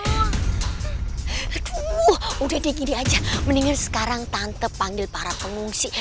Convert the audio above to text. aduh udah di gini aja mendingan sekarang tante panggil para pengungsi